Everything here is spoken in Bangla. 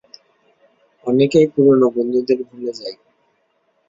অনেকেই পুরনো বন্ধুদের ভুলে যায়।